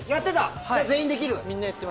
じゃあ全員できる。